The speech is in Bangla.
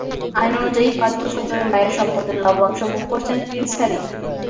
আইন অনুযায়ী, পাঁচ বছর ধরে মায়ের সম্পদের লভ্যাংশ ভোগ করছেন প্রিন্স হ্যারি।